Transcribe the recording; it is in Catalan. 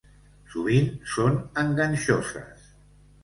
Sovint són enganxoses.